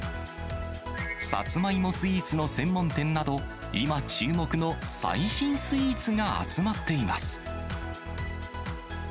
さつまいもスイーツの専門店など、今注目の最新スイーツが集まっています。